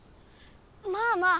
まあまあ。